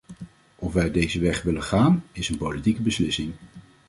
Of wij deze weg willen gaan, is een politieke beslissing.